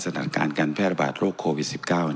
สถานการณ์การแพร่ระบาดโรคโควิด๑๙